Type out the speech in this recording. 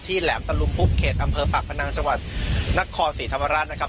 ที่แหลมสรุมภูมิเขตอำเภอผักพนังจังหวัดนักคอศรีธรรมรัฐนะครับ